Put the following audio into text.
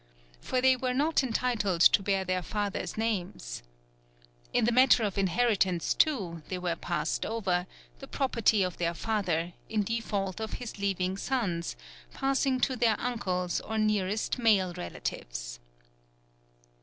For they were not entitled to bear their fathers' names. In the matter of inheritance, too, they were passed over, the property of their father, in default of his leaving sons, passing to their uncles or nearest male relatives.